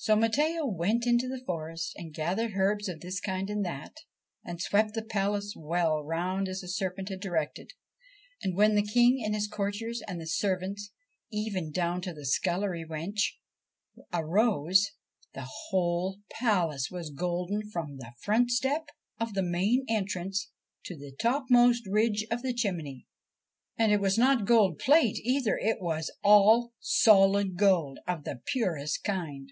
So Matteo went into the forest and gathered herbs of this kind and that, and swept the palace well round as the serpent had directed, and when the King and his courtiers and the servants even down to the scullery wench arose, the whole palace was golden from the front step of the main entrance to the topmost ridge of the chimney. And it was not gold plate either : it was all solid gold of the purest kind.